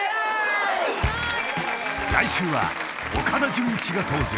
［来週は岡田准一が登場］